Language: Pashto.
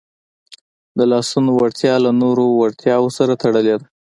د لاسونو وړتیا له نورو وړتیاوو سره تړلې ده.